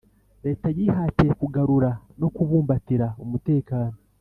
leta yihatiye kugarura no kubumbatira umutekano